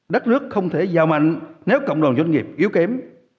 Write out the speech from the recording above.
đất nước không thể giàu mạnh nếu cộng đồng doanh nghiệp yếu kém